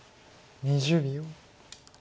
２０秒。